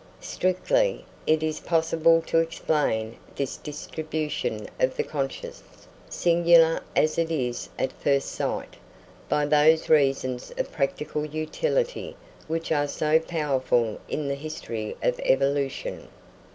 Strictly, it is possible to explain this distribution of the conscience, singular as it is at first sight, by those reasons of practical utility which are so powerful in the history of evolution.